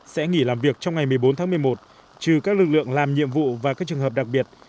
sẽ nghỉ làm việc trong ngày một mươi bốn tháng một mươi một trừ các lực lượng làm nhiệm vụ và các trường hợp đặc biệt